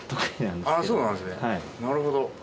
なるほど。